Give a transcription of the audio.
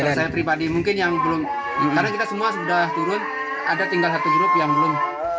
kalau saya pribadi mungkin yang belum karena kita semua sudah turun ada tinggal satu grup yang belum